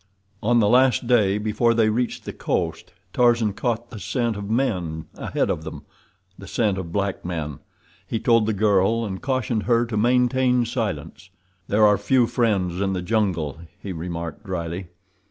On the last day before they reached the coast Tarzan caught the scent of men ahead of them—the scent of black men. He told the girl, and cautioned her to maintain silence. "There are few friends in the jungle," he remarked dryly.